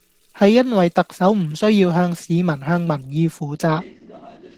係因為特首唔需要向市民向民意負責